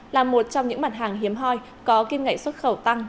là một trong những mặt hàng hiếm hoi có kim ngạch xuất khẩu tăng